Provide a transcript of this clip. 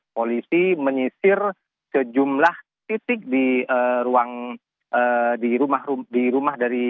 polisi menyisir sejumlah titik di rumah dari pemilik rumah yakni macung yang menjadi sumber ledakan